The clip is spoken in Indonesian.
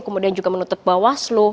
kemudian juga menuntut bawaslu